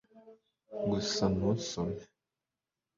gusa ntusome